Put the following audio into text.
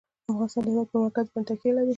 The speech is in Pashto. افغانستان د هېواد پر مرکز باندې تکیه لري.